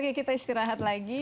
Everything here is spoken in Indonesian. oke kita istirahat lagi